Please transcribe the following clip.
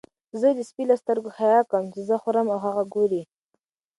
زه د سپي له سترګو حیا کوم چې زه خورم او هغه ګوري.